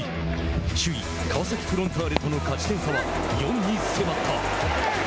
首位川崎フロンターレとの勝ち点差は、４に迫った。